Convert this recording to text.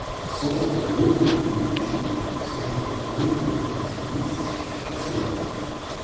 cent quatre-vingt-deux route du Pré Chatelain, soixante-quatorze mille deux cent soixante-dix Chessenaz